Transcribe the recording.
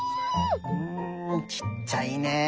うんちっちゃいね。